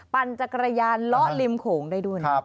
ปั่นจักรยานเลาะริมโขงได้ด้วยนะครับ